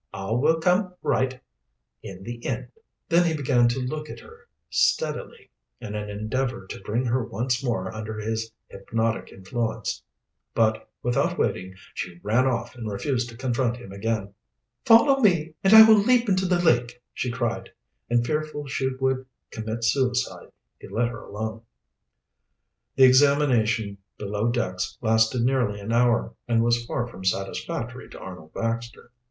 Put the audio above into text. "All will come right in the end." Then he began to look at her steadily, in an endeavor to bring her once more under his hypnotic influence. But, without waiting, she ran off and refused to confront him again. "Follow me and I will leap into the lake," she cried, and fearful she would commit suicide, he let her alone. The examination below decks lasted nearly an hour, and was far from satisfactory to Arnold Baxter.